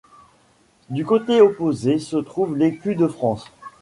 Du côté opposé se trouve l’écu de France.